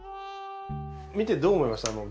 見てどう思いました？